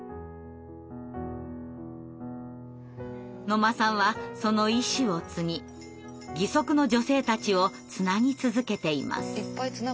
野間さんはその意思を継ぎ義足の女性たちをつなぎ続けています。